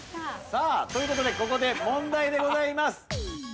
◆ということで、ここで問題でございます。